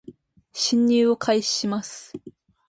進入を開始します